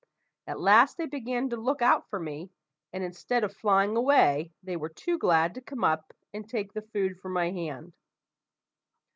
At last they began to look out for me, and, instead of flying away, they were too glad to come up and take the food from my hand.